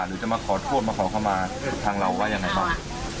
หรือจะมาขอโทษมาขอเข้ามาทางเราว่ายังไงบ้าง